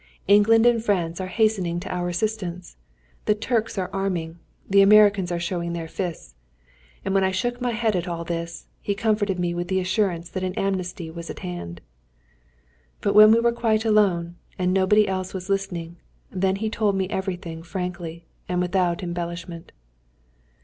"England and France are hastening to our assistance. The Turks are arming, the Americans are showing their fists." And when I shook my head at all this, he comforted me with the assurance that an amnesty was at hand. But when we were quite alone, and nobody else was listening, then he told me everything frankly, and without embellishment.